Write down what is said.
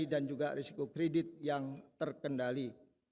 dan juga risiko kredit yang terkendali